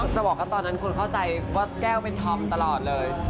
จะบอกว่าตอนนั้นคนเข้าใจว่าแก้วเป็นธอมตลอดเลย